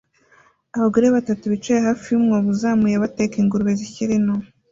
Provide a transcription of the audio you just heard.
Abagore batatu bicaye hafi yumwobo uzamuye bateka ingurube zikiri nto